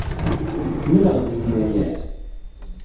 Mlaleɣ-t deg yennayer.